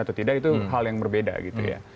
atau tidak itu hal yang berbeda gitu ya